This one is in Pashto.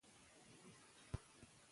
موزیلا د پښتو د راتلونکي جوړولو لاره ده.